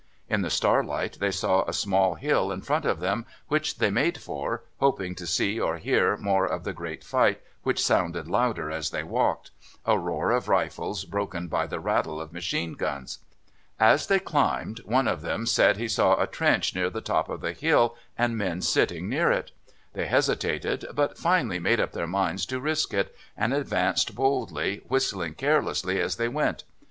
In the starlight they saw a small hill in front of them, which they made for, hoping to see or hear more of the great fight which sounded louder as they walked a roar of rifles broken by the rattle of machine guns. As they climbed one of them said he saw a trench near the top of the hill and men sitting near it. They hesitated, but finally made up their minds to risk it, and advanced boldly, whistling carelessly as they went.